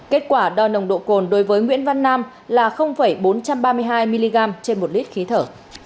kết quả đo nồng độ cồn đối với nguyễn văn nam là bốn trăm ba mươi hai mg trên một lít khí thở